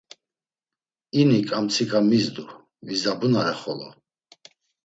İnik amtsika mizdu, vizabunare xolo.